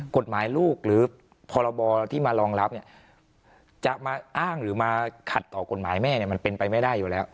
กฎหมายลูกหรือพรบที่มารองรับเนี่ยจะมาอ้างหรือมาขัดต่อกฎหมายแม่เนี่ยมันเป็นไปไม่ได้อยู่แล้ว